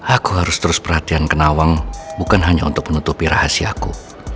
aku harus terus perhatian ke nawang bukan hanya untuk menutupi rahasiaku